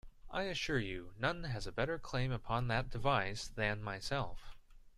I assure you, none has a better claim upon that device than myself.